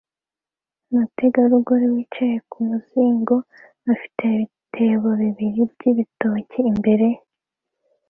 Umutegarugori wicaye kumuzingo afite ibitebo bibiri byibitoki imbere ye